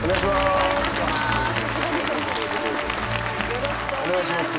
よろしくお願いします。